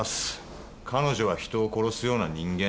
彼女は人を殺すような人間じゃない。